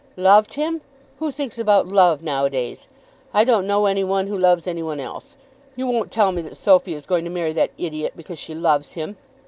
"Loved him! Who thinks about love nowadays? I don't know any one who loves any one else. You won't tell me that Sophy is going to marry that idiot because she loves him!